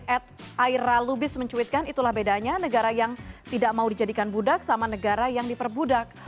ed aira lubis mencuitkan itulah bedanya negara yang tidak mau dijadikan budak sama negara yang diperbudak